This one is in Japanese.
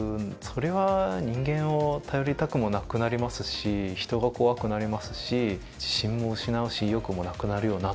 それは人間を頼りたくもなくなりますし人が怖くなりますし自信も失うし意欲もなくなるよな。